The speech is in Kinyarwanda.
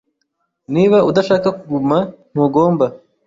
Niba udashaka kuguma, ntugomba.